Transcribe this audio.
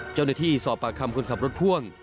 เจ้าหน้าที่สอบปากคำคนขับรถพ่วง